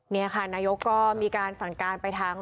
นี่ค่ะนายกก็มีการสั่งการไปทั้ง